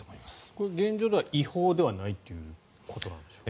これ、現状では違法ではないということですか？